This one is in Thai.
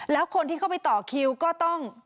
แล้วคนที่เข้าไปต่อคิวก็ต้อง